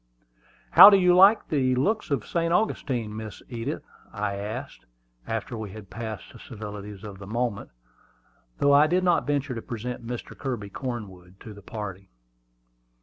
"How do you like the looks of St. Augustine, Miss Edith?" I asked, after we had passed the civilities of the moment, though I did not venture to present Mr. Kirby Cornwood to the party.